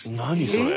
それ。